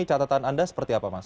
catatan anda seperti apa mas